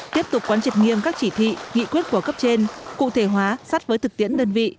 tiếp tục quán triệt nghiêm các chỉ thị nghị quyết của cấp trên cụ thể hóa sát với thực tiễn đơn vị